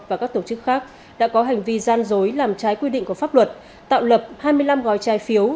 và các tổ chức khác đã có hành vi gian dối làm trái quy định của pháp luật tạo lập hai mươi năm gói trái phiếu